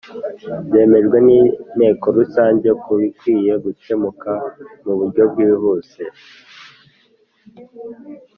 byemejwe n Inteko Rusange ku bikwiye gukemuka mu buryo bwihuse